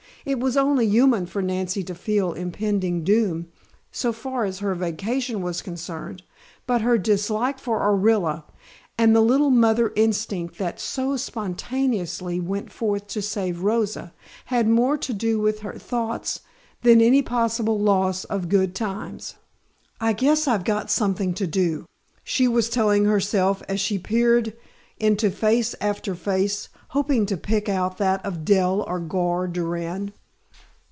It was only human for Nancy to feel impending gloom, so far as her vacation was concerned, but her dislike for Orilla, and the little mother instinct that so spontaneously went forth to save Rosa, had more to do with her thoughts than any possible loss of good times. "I guess I've got something to do," she was telling herself as she peered into face after face, hoping to pick out that of Dell or Gar Durand.